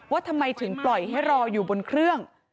ว่าทำไมถึงปล่อยให้รออยู่บนเครื่อง